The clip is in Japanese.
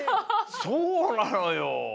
そうなのよ！